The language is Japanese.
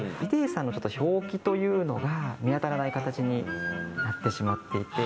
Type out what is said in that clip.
「ＩＤＥさんのちょっと表記というのが見当たらない形になってしまっていて」